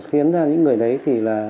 khiến ra những người đấy thì là